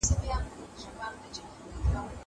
زه به سبا سبزېجات وچوم وم!